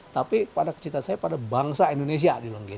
tapi pada cita saya pada bangsa indonesia